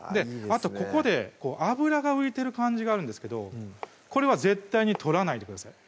あとここで油が浮いてる感じがあるんですがこれは絶対に取らないでください